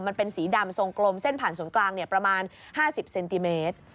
มันเป็นสีดำทรงกลมเส้นผ่านศูนย์กลางประมาณ๕๐เซนติเมตร